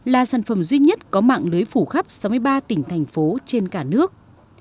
là sản phẩm duy nhất có mạng lưới phủ khắp sáu mươi ba tỉnh thành phố trên cả nước